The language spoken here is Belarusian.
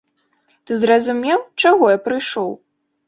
Ты зразумеў, чаго я прыйшоў?